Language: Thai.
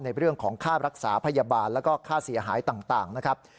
ในเรื่องของค่ารักษาพยาบาลแล้วก็ค่าเสียหายต่างนะครับ